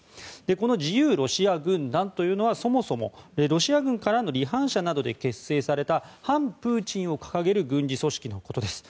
この自由ロシア軍団というのはそもそもロシア軍からの離反者などで結成された反プーチンを掲げる軍事組織のことです。